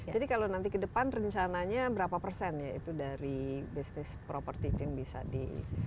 jadi kalau nanti ke depan rencananya berapa persen ya itu dari bisnis property itu yang bisa di